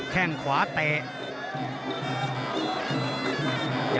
แค่งขวาเตะ